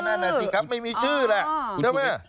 นั่นน่ะสิครับไม่มีชื่อแหละใช่ไหม